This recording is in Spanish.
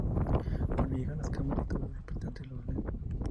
Cuando llegan, las cámaras y todos los presentes los ven.